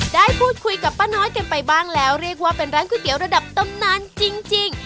ได้พูดคุยกับป้าน้อยกันไปบ้างแล้วเรียกว่าเป็นร้านก๋วยเตี๋ยวระดับตำนานจริง